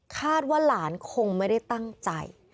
คาดว่าหลานคงไม่ได้ตั้งใจ